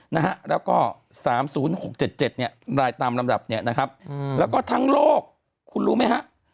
นะฮะแล้วก็๓๐๖๗๗เนี่ยรายตามลำดับเนี่ยนะครับแล้วก็ทั้งโลกคุณรู้ไหมฮะ